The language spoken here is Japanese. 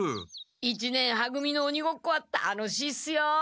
一年は組のおにごっこは楽しいっすよ。